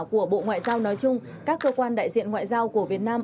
của bộ ngoại giao nói chung các cơ quan đại diện ngoại giao của việt nam